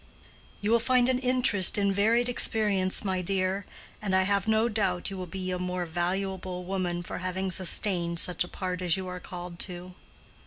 "You will find an interest in varied experience, my dear, and I have no doubt you will be a more valuable woman for having sustained such a part as you are called to."